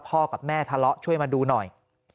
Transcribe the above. กับแม่ทะเลาะช่วยมาดูหน่อย